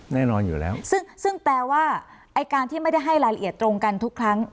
แน่นอนอยู่แล้วซึ่งซึ่งแปลว่าไอ้การที่ไม่ได้ให้รายละเอียดตรงกันทุกครั้ง